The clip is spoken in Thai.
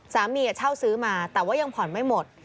เช่าซื้อมาแต่ว่ายังผ่อนไม่หมด